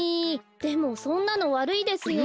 でもそんなのわるいですよ。